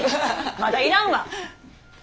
まだいらんわ！